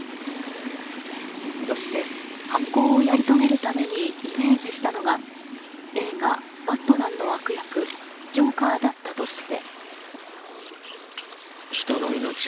そして、犯行をやり遂げるためにイメージしたのが映画「バットマン」の悪役ジョーカーだったとして。